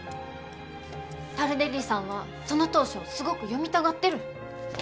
タルデッリさんはその投書をすごく読みたがってる。